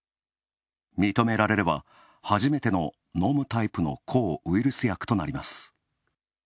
認められれば、初めての飲むタイプの抗ウイルス薬となります。